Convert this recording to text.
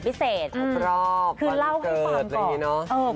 ครบรอบวันเกิดอะไรอย่างนี้เนอะ